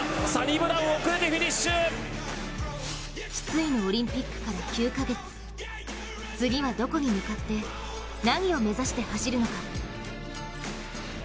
失意のオリンピックから９カ月、次はどこに向かって何を目指して走るのか。